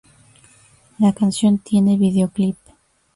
La canción tiene videoclip.